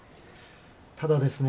ただですね